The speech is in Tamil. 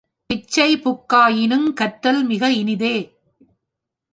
பிச்சை புக்காயினுங் கற்றல் மிக இனிதே